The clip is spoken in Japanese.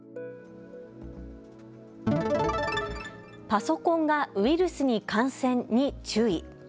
パソコンがウイルスに感染に注意。